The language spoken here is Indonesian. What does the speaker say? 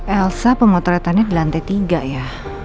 elsa pemotretannya di lantai tiga ya